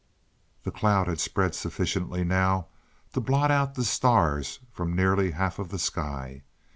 The cloud had spread sufficiently now to blot out the stars from nearly half of the sky.